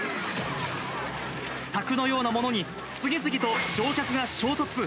柵のようなものに次々と乗客が衝突。